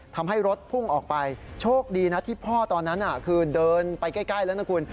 ทำให้รถพุ่งออกไปโชคดีนะที่พ่อตอนนั้นคือเดินไปใกล้แล้วนะคุณ